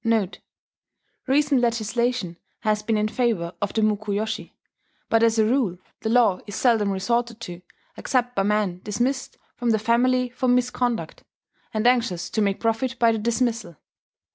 [Recent legislation has been in favour of the mukoyoshi; but, as a rule, the law is seldom resorted to except by men dismissed from the family for misconduct, and anxious to make profit by the dismissal.